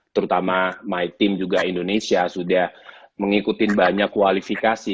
terutama my team juga indonesia sudah mengikuti banyak kualifikasi